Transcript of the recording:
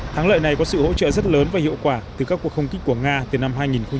thắng lợi này có sự hỗ trợ rất lớn và hiệu quả từ các cuộc không kích của nga từ năm hai nghìn một mươi